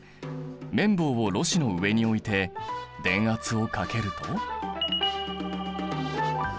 綿棒をろ紙の上に置いて電圧をかけると。